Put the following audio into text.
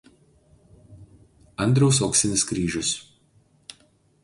Andriaus auksinis kryžius.